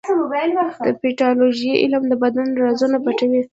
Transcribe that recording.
د پیتالوژي علم د بدن رازونه پټوي.